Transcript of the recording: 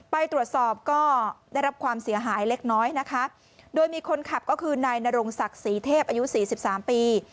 ไปตรวจสอบก็ได้รับความเสียหายเล็กน้อยนะคะโดยมีคนขับก็คือนายนรงศักดิ์ศรีเทพอายุสี่สิบสามปี